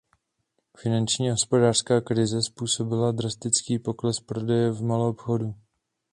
Finanční a hospodářská krize způsobila drastický pokles prodeje v maloobchodu.